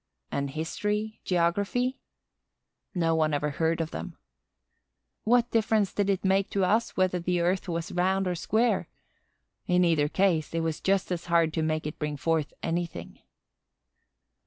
And history, geography? No one ever heard of them. What difference did it make to us whether the earth was round or square! In either case, it was just as hard to make it bring forth anything.